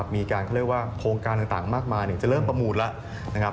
มีการโครงการต่างมากมายจะเริ่มประหมูลแล้ว